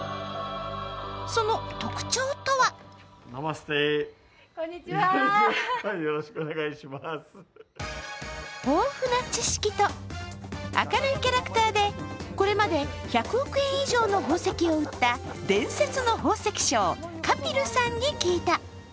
その特徴とは豊富な知識と明るいキャラクターでこれまで１００億円以上の宝石を売った、伝説の宝石商、カピルさんに聞いた。